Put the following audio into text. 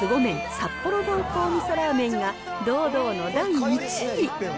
札幌濃厚味噌ラーメンが、堂々の第１位。